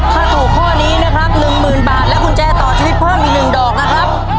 ถ้าถูกข้อนี้นะครับหนึ่งหมื่นบาทและกุญแจต่อชีวิตเพิ่มอีกหนึ่งดอกนะครับ